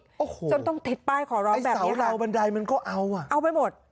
โธ่จนต้องเท็จป้ายขอเรินแบบนี้ค่ะไอ๊เสาราวบันไดมันก็เอาเอาไปหมด